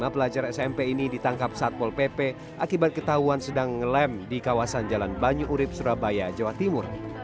lima pelajar smp ini ditangkap saat pol pp akibat ketahuan sedang ngelem di kawasan jalan banyu urib surabaya jawa timur